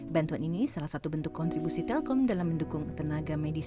bantuan ini salah satu bentuk kontribusi telkom dalam mendukung tenaga medis